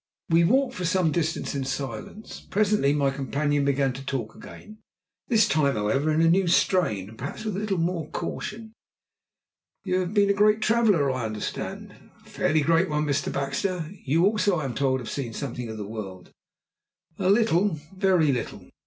We walked for some distance in silence. Presently my companion began to talk again this time, however, in a new strain, and perhaps with a little more caution. "You have been a great traveller, I understand." "A fairly great one, Mr. Baxter. You also, I am told, have seen something of the world." "A little very little."